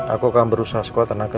aku akan berusaha sekuat tenangnya